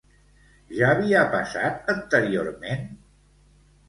Ja havia passat anteriorment?